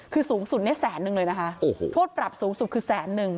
คือสูงสุดเนี่ยแสนนึงเลยนะคะโอ้โหโทษปรับสูงสุดคือแสนนึง